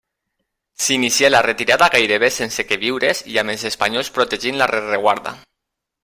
S'inicià la retirada gairebé sense queviures i amb els espanyols protegint la rereguarda.